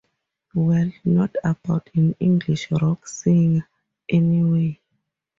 Well, not about an English rock singer, anyway.